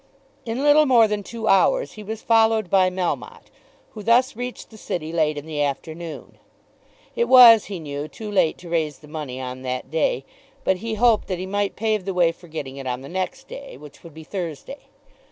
In little more than two hours he was followed by Melmotte, who thus reached the City late in the afternoon. It was he knew too late to raise the money on that day, but he hoped that he might pave the way for getting it on the next day, which would be Thursday.